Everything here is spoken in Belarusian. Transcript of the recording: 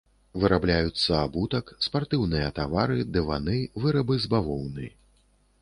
Вырабляюцца абутак, спартыўныя тавары, дываны, вырабы з бавоўны.